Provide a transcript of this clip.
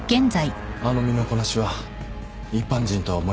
あの身のこなしは一般人とは思えません。